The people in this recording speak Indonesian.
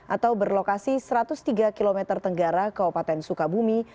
atau berlokasi satu ratus tiga km tenggara kaupaten sukabumi